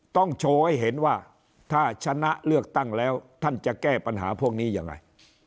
ต้องโชว์ให้เห็นว่าถ้าชนะเลือกตั้งแล้วท่านจะแก้ปัญหาพวกนี้ยังไง